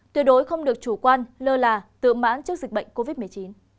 tuyệt đối không được chủ quan lơ là tự mãn trước dịch bệnh covid một mươi chín